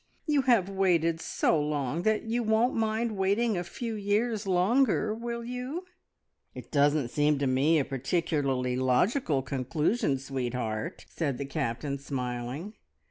You have waited so long that you won't mind waiting a few years longer, will you?" "It doesn't seem to me a particularly logical conclusion, sweetheart!" the Captain said, smiling.